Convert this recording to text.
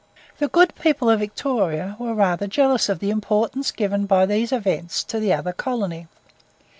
The good people of Victoria were rather jealous of the importance given by these events to the other colony.